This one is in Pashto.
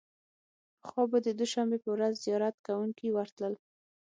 پخوا به د دوشنبې په ورځ زیارت کوونکي ورتلل.